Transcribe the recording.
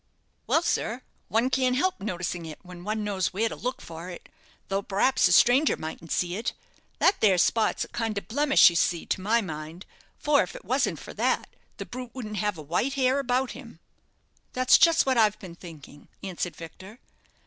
"Well, sir, one can't help noticing it when one knows where to look for it, though p'raps a stranger mightn't see it. That there spot's a kind of a blemish, you see, to my mind; for, if it wasn't for that, the brute wouldn't have a white hair about him." "That's just what I've been thinking," answered Victor.